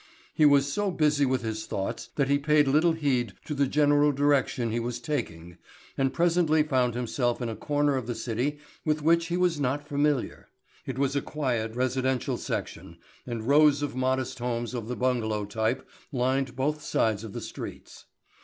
He was so busy with his thoughts that he paid little heed to the general direction he was taking and presently found himself in a corner of the city with which he was not familiar. It was a quiet residential section and rows of modest homes of the bungalow type lined both sides of the streets.